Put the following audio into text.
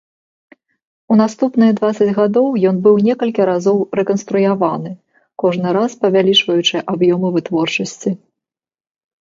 У наступныя дваццаць гадоў ён быў некалькі разоў рэканструяваны, кожны раз павялічваючы аб'ёмы вытворчасці.